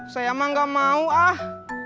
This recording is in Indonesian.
saya emang gak mau ah